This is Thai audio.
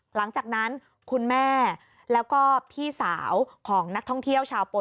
หลังจากนั้นคุณแม่แล้วก็พี่สาวของนักท่องเที่ยวชาวโปน